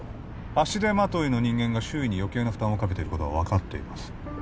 足手まといの人間が周囲に余計な負担をかけていることは分かっています